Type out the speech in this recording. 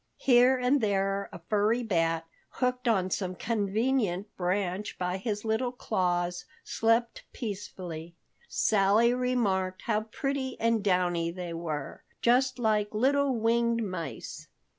Here and there a furry bat, hooked on some convenient branch by his little claws, slept peacefully. Sally remarked how pretty and downy they were, just like little winged mice.